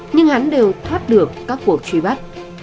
nhưng hắn đều thoát được các cuộc truy bắt